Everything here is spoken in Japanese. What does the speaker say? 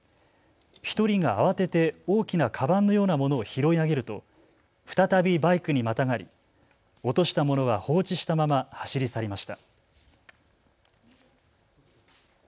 １人が慌てて大きなかばんのようなものを拾い上げると再びバイクにまたがり落としたものは放置したまま走り去りました。